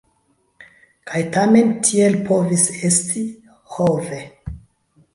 Kaj tamen tiel povis esti: ho ve!